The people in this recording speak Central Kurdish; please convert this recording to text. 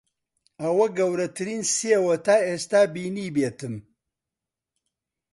ئەوە گەورەترین سێوە تا ئێستا بینیبێتم.